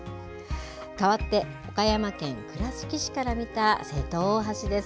かわって、岡山県倉敷市から見た瀬戸大橋です。